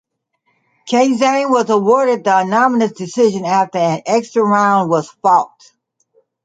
Kazane was awarded the unanimous decision after an extra round was fought.